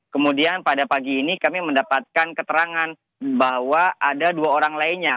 kemudian pada pagi ini kami mendapatkan keterangan bahwa ada dua orang lainnya